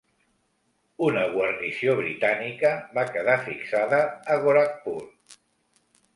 Una guarnició britànica va quedar fixada a Gorakhpur.